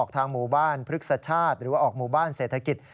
ทางหมู่บ้านพฤกษชาติหรือว่าออกหมู่บ้านเศรษฐกิจ